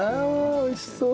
おいしそう！